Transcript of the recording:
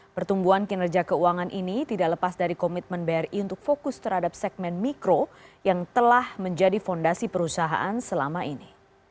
pertumbuhan kinerja keuangan ini tidak lepas dari komitmen bri untuk fokus terhadap segmen mikro yang telah menjadi fondasi perusahaan selama ini